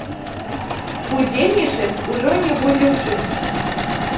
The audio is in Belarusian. Удзельнічаць ужо не будзе ў чым.